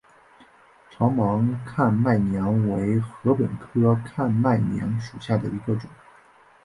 长芒看麦娘为禾本科看麦娘属下的一个种。